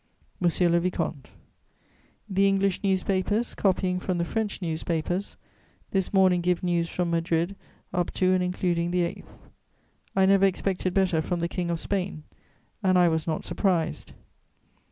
"MONSIEUR LE VICOMTE, "The English newspapers, copying from the French newspapers, this morning give news from Madrid up to and including the 8th. I never expected better from the King of Spain, and I was not surprised.